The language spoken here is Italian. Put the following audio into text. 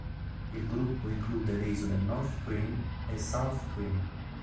Il gruppo include le isole North Twin e South Twin.